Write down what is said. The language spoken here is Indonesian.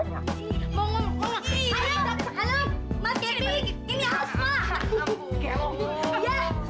ada apa mas kevin